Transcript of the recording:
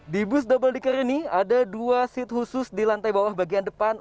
di bus double decker ini ada dua seat khusus di lantai bawah bagian depan